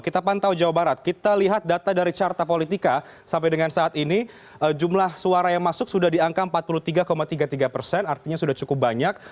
kita pantau jawa barat kita lihat data dari carta politika sampai dengan saat ini jumlah suara yang masuk sudah di angka empat puluh tiga tiga puluh tiga persen artinya sudah cukup banyak